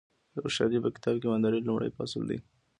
د هوښیارۍ په کتاب کې ایمانداري لومړی فصل دی.